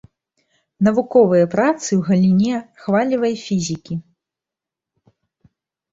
Навуковыя працы ў галіне хвалевай фізікі.